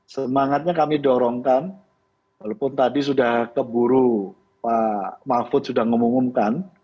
semangatnya kami dorongkan walaupun tadi sudah keburu pak mahfud sudah mengumumkan